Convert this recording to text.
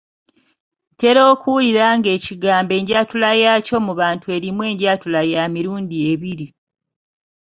Ntera okuwulira ng'ekigambo enjatula yaakyo mu bantu erimu enjatula ya mirundi ebiri.